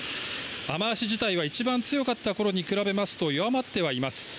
雨足自体は一番強かったころに比べますと弱まってはいます。